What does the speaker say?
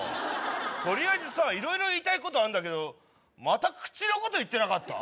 とりあえずさ色々言いたいことあんだけどまた口のこと言ってなかった？